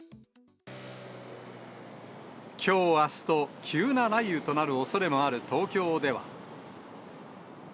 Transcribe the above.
きょう、あすと、急な雷雨となるおそれもある東京では。